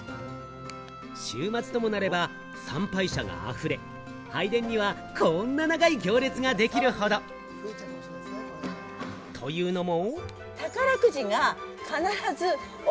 週末ともなれば参拝者が溢れ、拝殿にはこんな長い行列ができるほど。というのも。